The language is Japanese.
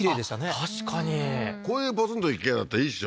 確かにこういうポツンと一軒家だったらいいでしょ？